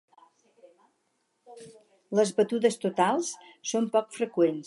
Les "batudes totals" són poc freqüents.